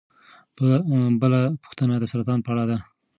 بله پوښتنه د سرطان په اړه ده.